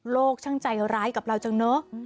ช่างใจร้ายกับเราจังเนอะ